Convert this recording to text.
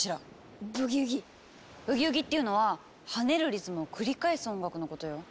「ブギウギ」っていうのは跳ねるリズムを繰り返す音楽のことよ。